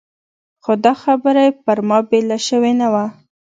خو دا خبره یې پر ما بېله شوې نه وه.